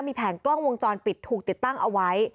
มีแผงกล้องวงจรปิดถูกติดตั้งเอาไว้